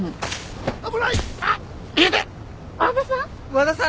和田さん。